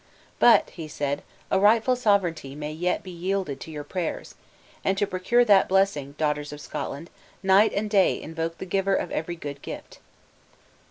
"But," he said, "a rightful sovereign may yet be yielded to your prayers; and to procure that blessing, daughters of Scotland, night and day invoke the Giver of every good gift."